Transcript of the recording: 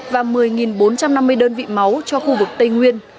và một mươi bốn trăm năm mươi đơn vị máu cho khu vực tây nguyên